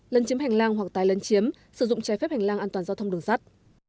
lân chiếm hành lang hoặc tái lân chiếm sử dụng trái phép hành lang an toàn giao thông đường sát